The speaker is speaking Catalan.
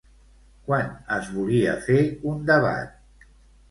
Quan es volia fer un debat?